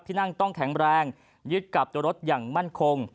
ที่นั่งต้องแข็งแรงยึดกับตัวรถอย่างมั่นคง